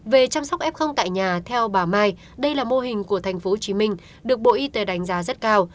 về chăm sóc f tại nhà theo bà mai đây là mô hình của tp hcm được bộ y tế đánh giá rất cao